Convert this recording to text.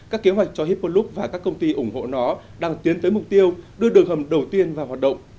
các kế hoạch cho hipplup và các công ty ủng hộ nó đang tiến tới mục tiêu đưa đường hầm đầu tiên vào hoạt động